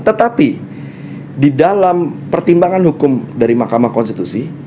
tetapi di dalam pertimbangan hukum dari mahkamah konstitusi